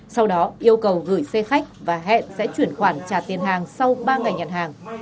sau đó yêu cầu gửi xe khách và hẹn sẽ chuyển khoản trả tiền hàng sau ba ngày nhận hàng